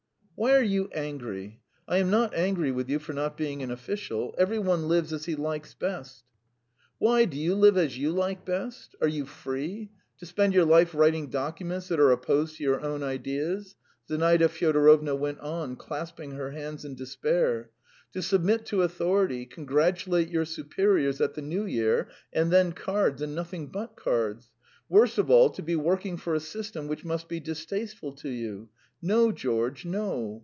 "Why are you angry? I am not angry with you for not being an official. Every one lives as he likes best." "Why, do you live as you like best? Are you free? To spend your life writing documents that are opposed to your own ideas," Zinaida Fyodorovna went on, clasping her hands in despair: "to submit to authority, congratulate your superiors at the New Year, and then cards and nothing but cards: worst of all, to be working for a system which must be distasteful to you no, George, no!